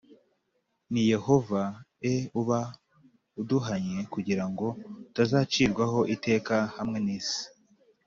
Ni yehova e uba uduhannye kugira ngo tutazacirwaho iteka hamwe n isi